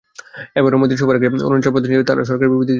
এবারও মোদির সফরের আগে অরুণাচল প্রদেশ নিয়ে তারা সরকারি বিবৃতি দিয়েছে।